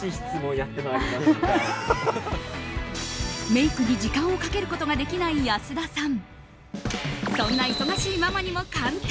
メイクに時間をかけることができない安田さん。